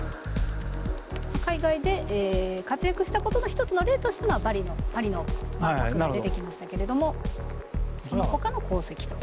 海外で活躍したことの一つの例としてパリの万博が出てきましたけれどもそのほかの功績と。